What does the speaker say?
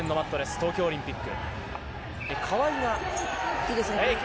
東京オリンピック。